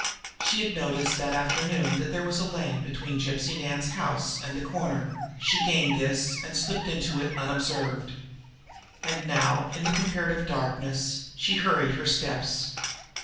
She had noticed that afternoon that there was a lane between Gypsy Nan's house and the corner; she gained this and slipped into it unobserved. And now, in the comparative darkness, she hurried her steps.